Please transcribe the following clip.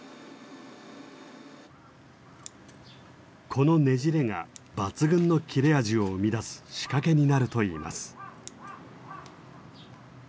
このねじれが抜群の切れ味を生み出す仕掛けになるといいます。